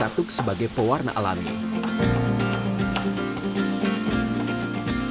hanya resep tapi akan diberi agung juga